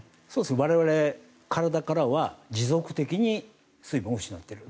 我々、体からは持続的に水分を失っている。